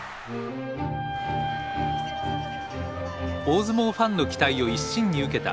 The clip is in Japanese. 大相撲ファンの期待を一身に受けた